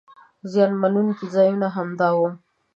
زیان مننونکي ځایونه همدا وو.